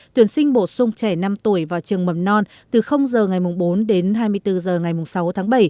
tuyển sinh bổ sung trẻ năm tuổi vào trường mầm non từ h ngày bốn đến hai mươi bốn h ngày sáu tháng bảy